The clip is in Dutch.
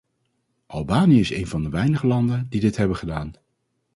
Albanië is een van de weinige landen die dit hebben gedaan.